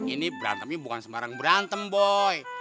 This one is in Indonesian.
ini berantemnya bukan sembarang berantem boy